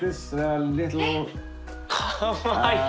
かわいい！